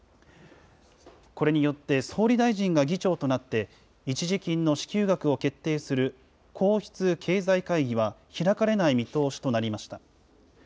これによって、総理大臣が議長となって、一時金の支給額を決定する皇室経済会議は開かれない見通しとなりました。